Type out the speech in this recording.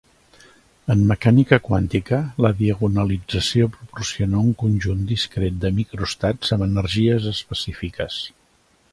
En mecànica quàntica, la diagonalització proporciona un conjunt discret de microestats amb energies específiques.